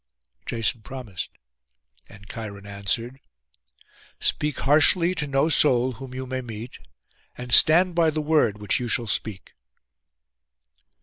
Jason promised, and Cheiron answered, 'Speak harshly to no soul whom you may meet, and stand by the word which you shall speak.